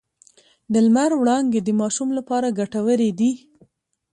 د لمر وړانګې د ماشوم لپاره ګټورې دي۔